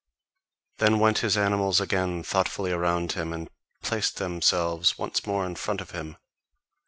Then went his animals again thoughtfully around him, and placed themselves once more in front of him.